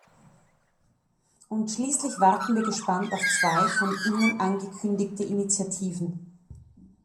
Und schließlich warten wir gespannt auf zwei von Ihnen angekündigte Initiativen.